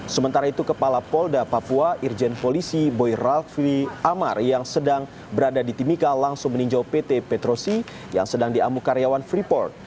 sementara itu kepala polda papua irjen polisi boy ralvi amar yang sedang berada di timika langsung meninjau pt petrosi yang sedang diamu karyawan freeport